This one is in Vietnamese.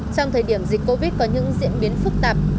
trong thời điểm dịch covid có những diễn biến phức tạp